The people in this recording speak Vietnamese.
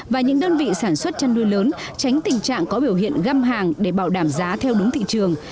và những đơn vị sản xuất chăn nuôi lớn tránh tình trạng có biểu hiện găm hàng để bảo đảm giá theo đúng thị trường